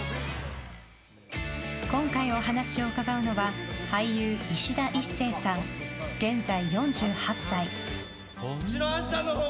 今回、お話を伺うのは俳優いしだ壱成さん、現在４８歳。